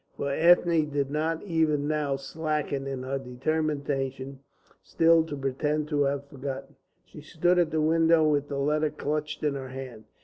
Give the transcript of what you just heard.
For Ethne did not even now slacken in her determination still to pretend to have forgotten. She stood at the window with the letter clenched in her hand.